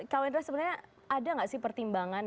pak wendra sebenarnya ada tidak sih pertimbangan